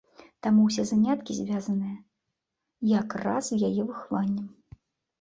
Таму ўсе заняткі звязаныя якраз з яе выхаваннем.